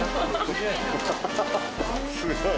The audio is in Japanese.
すごい。